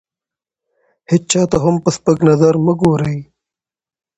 هېچا ته هم په سپک نظر مه ګورئ!